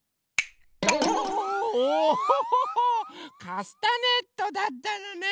カスタネットだったのね。